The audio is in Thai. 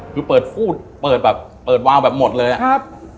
คือเปิดฟู้ดเปิดแบบเปิดวาวแบบหมดเลยอะครับ